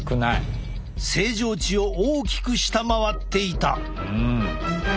正常値を大きく下回っていた！